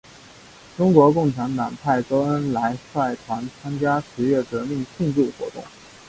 中国共产党派周恩来率团参加十月革命庆祝活动。